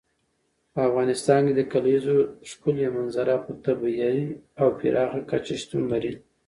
په افغانستان کې د کلیزو ښکلې منظره په طبیعي او پراخه کچه شتون لري.